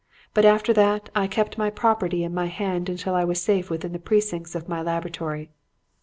But after that, I kept my property in my hand until I was safe within the precincts of my laboratory.